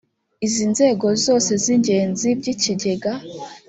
iz’inzego zose z’ingenzi by’ikigega